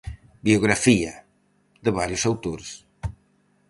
Biografía, de varios autores.